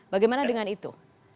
bagaimana dengan itu